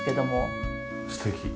素敵。